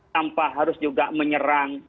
tanpa harus juga menyerang